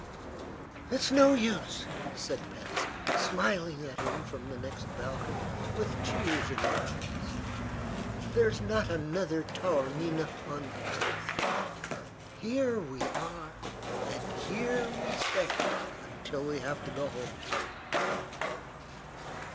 "It's no use," said Patsy, smiling at him from the next balcony with tears in her eyes; "There's not another Taormina on earth. Here we are, and here we stay until we have to go home again."